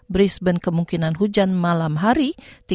brisbane kemungkinan hujan malam hari tiga puluh satu